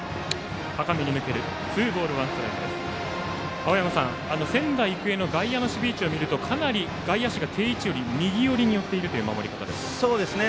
青山さん、仙台育英の外野の守備位置を見るとかなり外野手が定位置より右に寄っていますね。